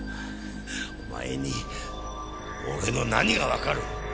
お前に俺の何がわかる！